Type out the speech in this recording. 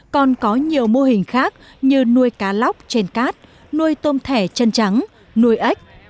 còn có nhiều mô hình khác như nuôi cá lóc trên cát nuôi tôm thẻ chân trắng nuôi ếch